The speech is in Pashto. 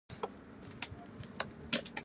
نیم یې دلته د خپل تربور لپاره هم نه دی منلی.